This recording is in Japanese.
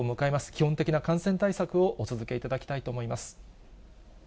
基本的な感染対策をお続けいただきたいと思います。